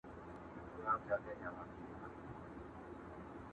o چي نر ئې په چارښاخو راوړي، ښځه ئې په جارو کي وړي٫